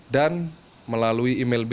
dan melalui emailnya